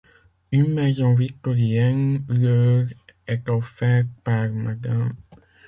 Une maison victorienne leur est offerte par Mme.